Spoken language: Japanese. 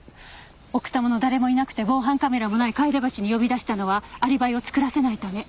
奥多摩の誰もいなくて防犯カメラもない楓橋に呼び出したのはアリバイを作らせないため。